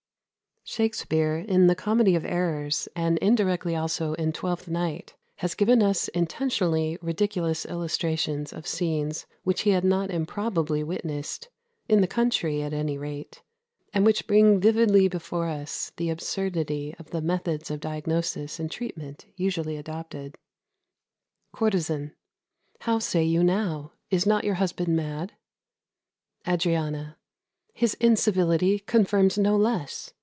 [Footnote 1: I. ii. 55.] 74. Shakspere, in "The Comedy of Errors," and indirectly also in "Twelfth Night," has given us intentionally ridiculous illustrations of scenes which he had not improbably witnessed, in the country at any rate, and which bring vividly before us the absurdity of the methods of diagnosis and treatment usually adopted: Courtesan. How say you now? is not your husband mad? Adriana. His incivility confirms no less.